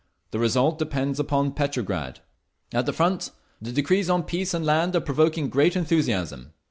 The result depends upon Petrograd. "At the front, the decrees on Peace and Land are provoking great enthusiasm.